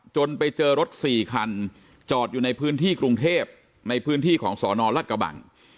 ไปเจอรถ๔คันจอดอยู่ในพื้นที่กรุงเทพในพื้นที่ของสนรัฐกระบัง